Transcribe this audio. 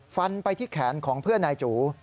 ฟันไปที่แขนของเพื่อนนายจู